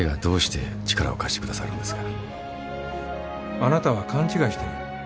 あなたは勘違いしてる。